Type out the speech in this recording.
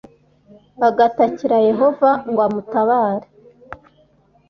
agatakira yehova ngo amutabare